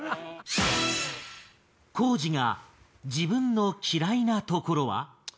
光司が自分の嫌いなところは？